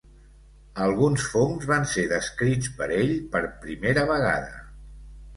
Alguns fongs van ser descrits per ell per primera vegada.